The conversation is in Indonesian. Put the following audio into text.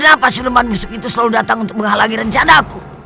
kenapa si lemah musuh itu selalu datang untuk menghalangi rencana aku